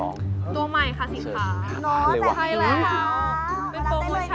น้องใครล่ะคะมารับได้เลยนะคะมารับได้เลยนะคะ